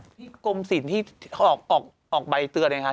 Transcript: กรมศิลป์ที่ออกใบเตือนไงคะ